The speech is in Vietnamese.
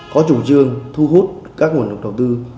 có chủ trương thu hút các nguồn lực đầu tư